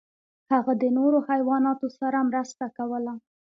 هغه د نورو حیواناتو سره مرسته کوله.